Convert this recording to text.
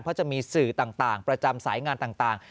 เพราะจะมีสื่อต่างประจำสายงานต่าง